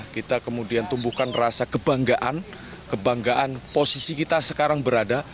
kebanggaan kebanggaan posisi kita sekarang berada